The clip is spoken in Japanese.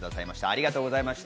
ありがとうございます。